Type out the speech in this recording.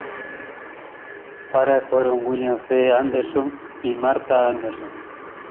Sus padres fueron William C. Anderson y Martha Anderson.